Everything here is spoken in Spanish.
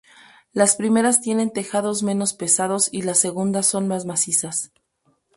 Las primeras tienen tejados menos pesados y las segundas son más macizas.